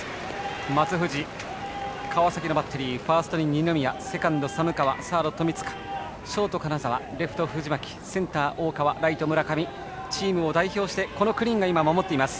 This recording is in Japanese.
松藤、川崎のバッテリーファーストに二宮セカンドに寒川サード、富塚ショート、金澤レフト、藤巻センター、大川ライト、村上チームを代表してこの９人が今、守っています。